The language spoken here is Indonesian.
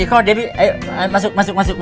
ikut debbie ayo masuk masuk masuk